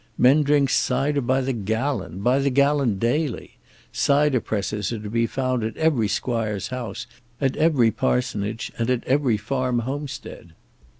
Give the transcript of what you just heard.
Men drink cider by the gallon, by the gallon daily; cider presses are to be found at every squire's house, at every parsonage, and every farm homestead.